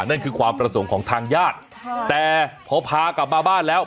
นั่นคือความประสงค์ของทางญาติแต่พอพากลับมาบ้านแล้ว